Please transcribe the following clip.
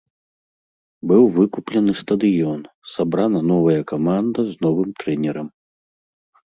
Быў выкуплены стадыён, сабрана новая каманда з новым трэнерам.